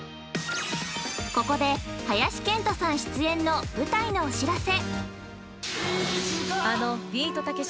◆ここで林遣都さん出演の舞台のお知らせ！